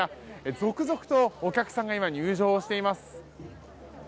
続々とお客さんが今、入場しています。